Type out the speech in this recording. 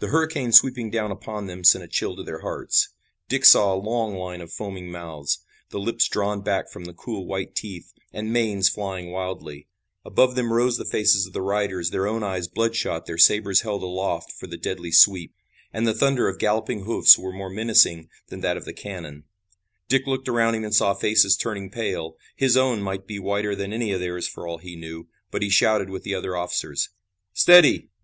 The hurricane sweeping down upon them sent a chill to their hearts. Dick saw a long line of foaming mouths, the lips drawn back from the cruel white teeth, and manes flying wildly. Above them rose the faces of the riders, their own eyes bloodshot, their sabers held aloft for the deadly sweep. And the thunder of galloping hoofs was more menacing than that of the cannon. Dick looked around him and saw faces turning pale. His own might be whiter than any of theirs for all he knew, but he shouted with the other officers: "Steady!